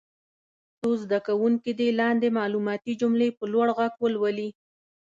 څو زده کوونکي دې لاندې معلوماتي جملې په لوړ غږ ولولي.